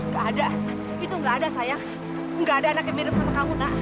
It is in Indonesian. gak ada itu gak ada sayang gak ada anak yang mirip sama kamu nak